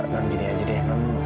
non gini aja deh